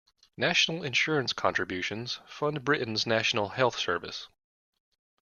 National Insurance contributions fund Britain’s National Health Service